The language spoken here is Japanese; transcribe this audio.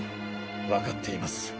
分かっています。